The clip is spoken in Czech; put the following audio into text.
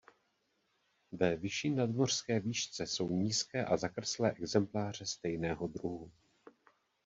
Ve vyšší nadmořské výšce jsou nízké a zakrslé exempláře stejného druhu.